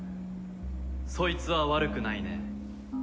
そいつは悪くないね。